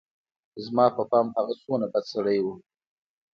زما په پام هغه څومره بد سړى و.